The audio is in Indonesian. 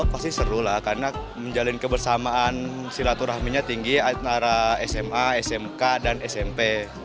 pasti seru lah karena menjalin kebersamaan silaturahminya tinggi antara sma smk dan smp